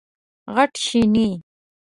غټي شنې،